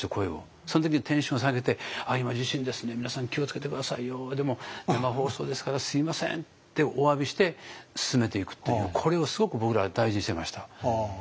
その時にテンション下げて「あっ今地震ですね皆さん気をつけて下さいよでも生放送ですからすみません」っておわびして進めていくというこれをすごく僕らは大事にしてました。